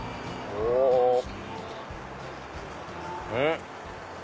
うん？